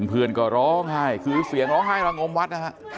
เพื่อนก็ร้องไห้คือเสียงร้องไห้ระงมวัดนะฮะ